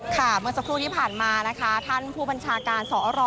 ค่ะเมื่อเจ้าครู่ที่ผ่านกระจาย